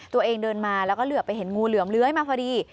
ตัวเองเดินมาแล้วก็เหลือไปเห็นงูเหลือมเลื้อยมาพอดี